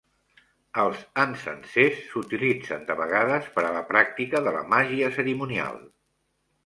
Els encensers s'utilitzen de vegades per a la pràctica de la màgia cerimonial.